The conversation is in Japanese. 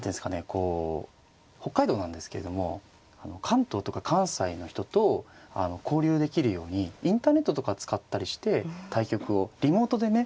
こう北海道なんですけれども関東とか関西の人と交流できるようにインターネットとか使ったりして対局をリモートでね